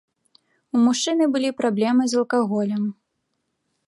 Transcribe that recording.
У мужчыны былі праблемы з алкаголем.